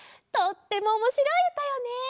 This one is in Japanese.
とってもおもしろいうたよね！